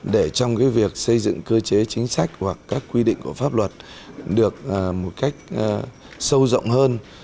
để trong việc xây dựng cơ chế chính sách hoặc các quy định của pháp luật được một cách sâu rộng hơn